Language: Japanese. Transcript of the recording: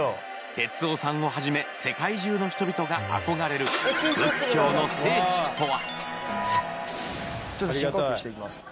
哲夫さんをはじめ世界中の人々が憧れる仏教の聖地とは？